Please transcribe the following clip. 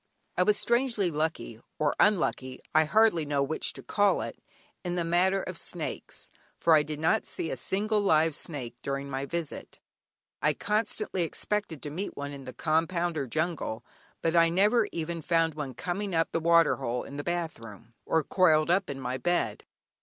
I was strangely lucky (or unlucky, I hardly know which to call it) in the matter of snakes, for I did not see a single live snake during my visit. I constantly expected to meet one in the compound or jungle, but I never even found one coming up the water hole in the bath room, or coiled up in my bed.